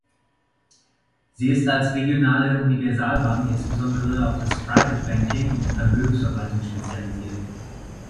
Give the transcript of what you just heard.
Sie ist als regionale Universalbank insbesondere auf das Private Banking und die Vermögensverwaltung spezialisiert.